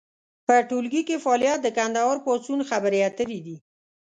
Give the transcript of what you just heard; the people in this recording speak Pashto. په ټولګي کې فعالیت د کندهار پاڅون خبرې اترې دي.